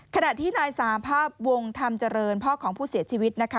ขณะที่นายสาภาพวงธรรมเจริญพ่อของผู้เสียชีวิตนะคะ